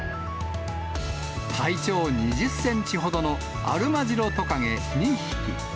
体長２０センチほどのアルマジロトカゲ２匹。